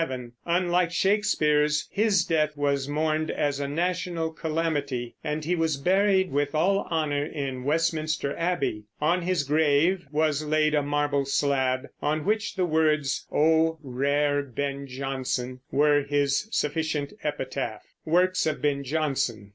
Unlike Shakespeare's, his death was mourned as a national calamity, and he was buried with all honor in Westminster Abbey. On his grave was laid a marble slab, on which the words "O rare Ben Jonson" were his sufficient epitaph. WORKS OF BEN JONSON.